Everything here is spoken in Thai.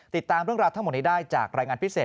ติดตามเรื่องราวทั้งหมดนี้ได้จากรายงานพิเศษ